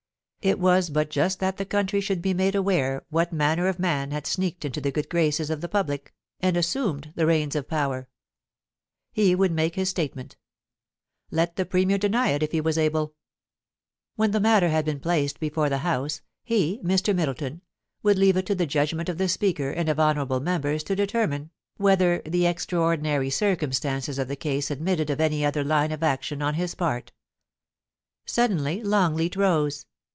It was but just that the country should be made aware what manner of man had sneaked into the good graces of the public, and assumed the reins of power. ... He would make his statement Let the Premier deny it if he was able. ... \Vhen the matter had been placed before the House, he, Mr. Middleton, would leave it to the judgment of the Speaker and of honourable members to determine, whether the extraordinary circumstances of the case admitted of any other line of action on his part Suddenly Longleat rose.